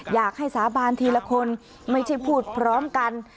สาบานทีละคนไม่ใช่พูดพร้อมกัน